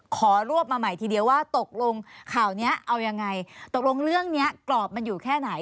ขอรวบมาใหม่ทีเดียวว่าตกลงข่าวนี้เอายังไงตกลงเรื่องนี้กรอบมันอยู่แค่ไหน